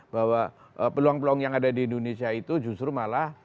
bahwa peluang peluang yang ada di indonesia itu justru malah